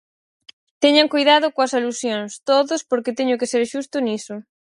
Teñan coidado coas alusións, todos, porque teño que ser xusto niso.